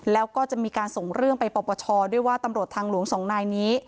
แล้วก็จะมีการส่งเรื่องไปปปชด้วยว่าตำรวจทางหลวงสองนายนี้